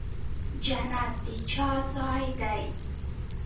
جنت د چا ځای دی؟